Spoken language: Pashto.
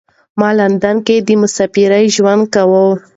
ما لندن کې د مسافرۍ ژوند کاوه.